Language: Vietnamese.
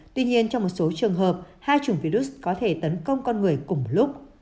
tuy nhiên trong một số trường hợp hai chủng virus có thể tấn công con người cùng lúc